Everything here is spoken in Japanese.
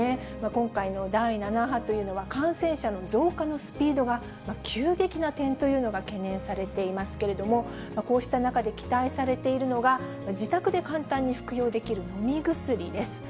今回の第７波というのは、感染者の増加のスピードが急激な点というのが懸念されていますけれども、こうした中で期待されているのが、自宅で簡単に服用できる飲み薬です。